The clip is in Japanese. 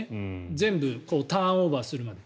全部ターンオーバーするのに。